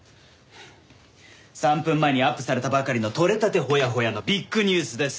３分前にアップされたばかりのとれたてほやほやのビッグニュースです。